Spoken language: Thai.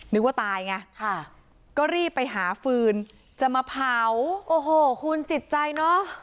นึกว่าตายไงค่ะก็รีบไปหาฟืนจะมาเผาโอ้โหคุณจิตใจเนอะ